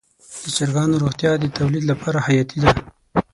د چرګانو روغتیا د تولید لپاره حیاتي ده.